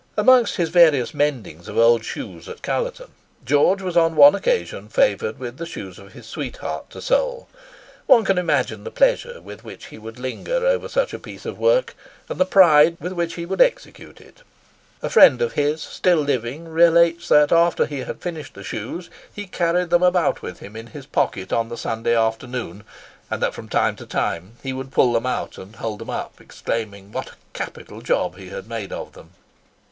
Amongst his various mendings of old shoes at Callerton. George was on one occasion favoured with the shoes of his sweetheart to sole. One can imagine the pleasure with which he would linger over such a piece of work, and the pride with which he would execute it. A friend of his, still living, relates that, after he had finished the shoes, he carried them about with him in his pocket on the Sunday afternoon, and that from time to time he would pull them out and hold them up, exclaiming, "what a capital job he had made of them!"